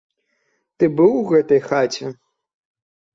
Ты быў у гэтай хаце?